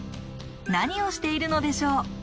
何をしているのでしょう。